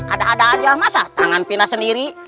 ada ada aja masa tangan pilah sendiri